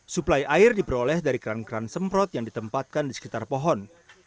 suplai air diperoleh dari keran keran semprot yang ditempatkan di sekitar pohon